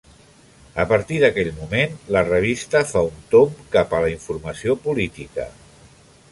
A partir d'aquell moment, la revista fa un tomb cap a la informació política.